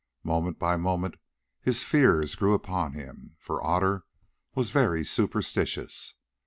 Moment by moment his fears grew upon him, for Otter was very superstitious.